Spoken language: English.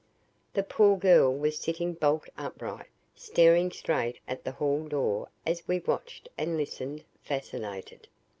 The poor girl was sitting bolt upright, staring straight at the hall door, as we watched and listened, fascinated.